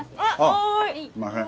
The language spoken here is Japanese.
すいません。